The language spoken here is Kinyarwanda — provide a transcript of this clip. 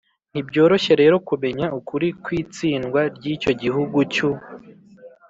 ntibyoroshye rero kumenya ukuri kw'itsindwa ry'icyo gihugu cy'u